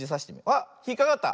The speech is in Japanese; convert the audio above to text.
あっひっかかった。